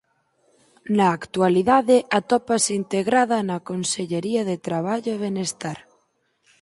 Na actualidade atópase integrada na consellería de Traballo e Benestar.